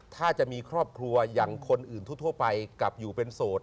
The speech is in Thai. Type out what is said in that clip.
ถ้าจะมีครอบครัวอย่างคนอื่นทั่วไปกลับอยู่เป็นโสด